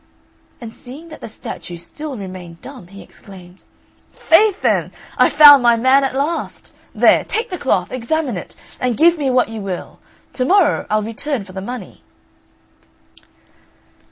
And seeing that the statue still remained dumb, he exclaimed, "Faith, then, I've found my man at last! There, take the cloth, examine it, and give me what you will; to morrow I'll return for the money."